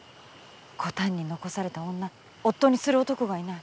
コタンに残された女夫にする男がいない。